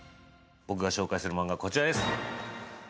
僕が紹介するマンガはこちらです。